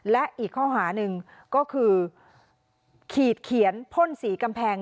และอีกข้อหาหนึ่งก็คือขีดเขียนพ่นสีกำแพง